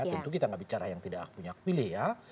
tentu kita tidak bicara yang tidak punya pilih ya